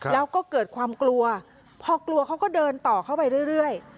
แล้วก็เกิดความกลัวพอกลัวเขาก็เดินต่อเข้าไปเรื่อย